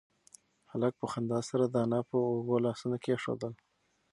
هلک په خندا سره د انا پر اوږو لاسونه کېښودل.